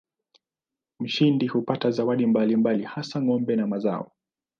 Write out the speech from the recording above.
Mshindi hupata zawadi mbalimbali hasa ng'ombe na mazao.